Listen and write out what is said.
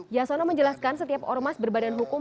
yasono menjelaskan setiap ormas berbadan hukum